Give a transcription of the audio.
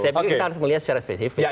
saya pikir kita harus melihat secara spesifik